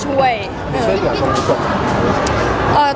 ช่วยเถอะชมชมชมชม